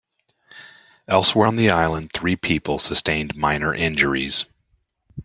Elsewhere on the island, three people sustained minor injuries.